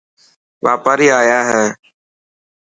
واپاري آيا هي.